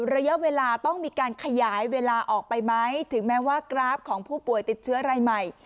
ระยะเวลาต้องมีการขยายเวลาออกไปไหมถึงแม้ว่ากราฟของผู้ป่วยติดเชื้อรายใหม่